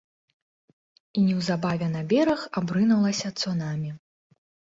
І неўзабаве на бераг абрынулася цунамі.